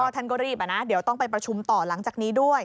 ท่านก็รีบเดี๋ยวต้องไปประชุมต่อหลังจากนี้ด้วย